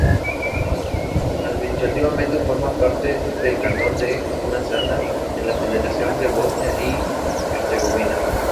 Administrativamente forma parte del Cantón de Una-Sana, en la Federación de Bosnia y Herzegovina.